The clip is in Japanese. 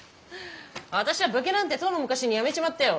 私ゃ武家なんてとうの昔にやめちまったよ。